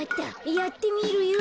やってみるよ。